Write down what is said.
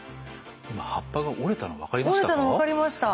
今葉っぱが折れたの分かりましたか？